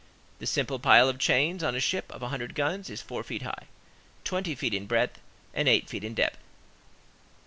The simple pile of chains on a ship of a hundred guns is four feet high, twenty feet in breadth, and eight feet in depth.